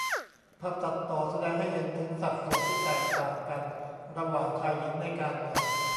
ภาพตัดต่อ แสดงให้เห็นถึงสัดส่วนที่แตกต่างกันระหว่างชายหญิงในการเมือง